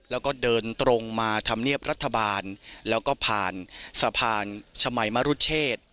แล้วก็เดินตรงมาธรรมเนียบรัฐบาลแล้วก็ผ่านสะพานชมัยมรุเชษ